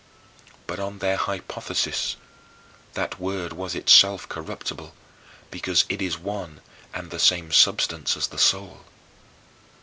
But on their hypothesis that Word was itself corruptible because it is one and the same substance as the soul.